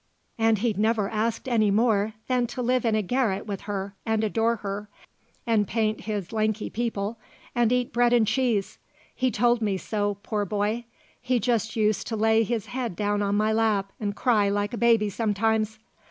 And he'd never asked any more than to live in a garret with her and adore her, and paint his lanky people and eat bread and cheese; he told me so, poor boy; he just used to lay his head down on my lap and cry like a baby sometimes.